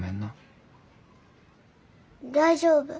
大丈夫。